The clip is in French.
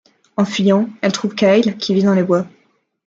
En fuyant, elle trouve Kyle qui vit dans les bois.